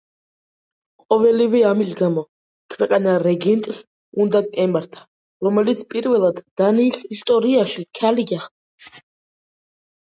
ყოველივე ამის გამო, ქვეყანა რეგენტს უნდა ემართა, რომელიც პირველად დანიის ისტორიაში ქალი გახდა.